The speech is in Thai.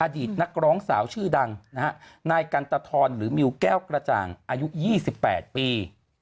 อดีตนักร้องสาวชื่อดังนายกันตะทรหรือมิวแก้วกระจ่างอายุ๒๘ปี